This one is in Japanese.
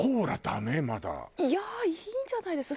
いやいいんじゃないですか？